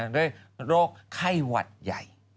ด้วยโรคไข้หวัดใหญ่